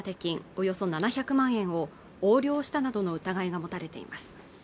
およそ７００万円を横領したなどの疑いが持たれています